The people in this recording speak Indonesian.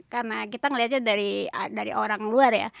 karena kita melihatnya dari orang luar ya